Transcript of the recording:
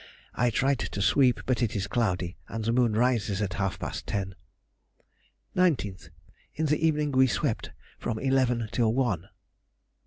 I tried to sweep, but it is cloudy, and the moon rises at half past ten. 19th.—In the evening we swept from eleven till one.